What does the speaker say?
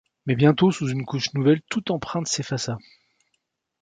Mais bientôt, sous une couche nouvelle, toute empreinte s’effaça.